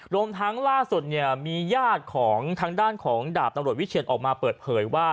รวมทั้งล่าสุดเนี่ยมีญาติของทางด้านของดาบตำรวจวิเชียนออกมาเปิดเผยว่า